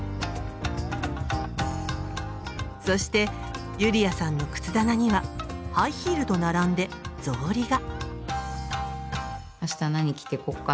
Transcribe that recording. そしてユリアさんの靴棚にはハイヒールと並んで「草履」が。